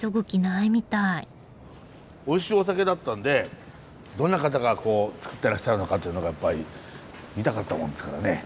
おいしいお酒だったんでどんな方が造ってらっしゃるのかというのがやっぱり見たかったもんですからね。